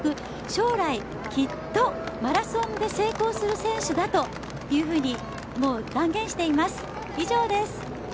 将来、きっとマラソンで成功する選手だというふうに断言しています。